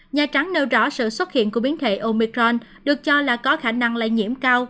nhà trắng nêu rõ sự xuất hiện của biến thể omicron được cho là có khả năng lây nhiễm cao